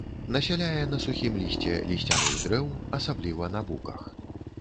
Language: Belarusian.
Насяляе на сухім лісце лісцяных дрэў, асабліва на буках.